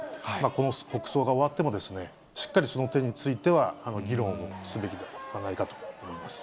この国葬が終わっても、しっかりその点については議論をすべきではないかと思います。